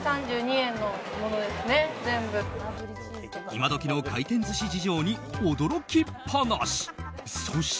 今どきの回転寿司事情に驚きっぱなし。